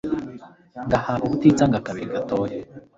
ngahaha ubutitsa ngo akabiri gatohe